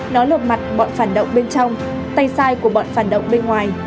nó lột mặt bọn phản động bên trong tay sai của bọn phản động bên ngoài